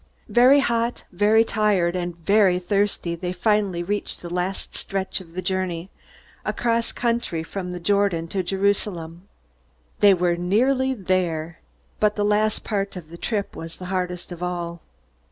Very hot, very tired, and very thirsty, they finally reached the last stretch of the journey across country from the Jordan to Jerusalem. They were nearly there. But the last part of the trip was the hardest of all.